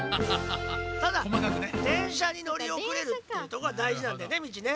ただ電車に乗りおくれるっていうとこがだいじなんだよねミチね。